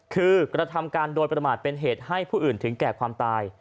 คือกระทำการโดยประมาทเป็นเหตุให้ผู้อื่นถึงแก่ความตาย